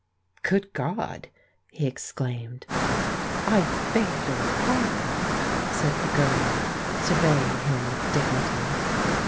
"Good God!" he exclaimed. "I beg your pardon?" said the girl, surveying him with dignity.